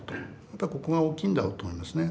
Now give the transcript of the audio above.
やっぱりここが大きいんだろうと思いますね。